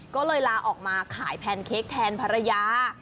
ก็เลยลาออกมาขายแพนเค้กแทนภรรยา